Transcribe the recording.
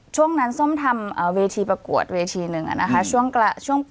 ช่วงนั้นส้มทำเอ่อเวทีประกวดเวทีหนึ่งอ่ะนะคะช่วงกระช่วง